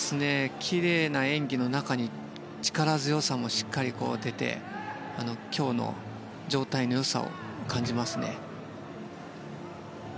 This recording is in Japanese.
きれいな演技の中に力強さもしっかり出て今日の状態の良さを感じます。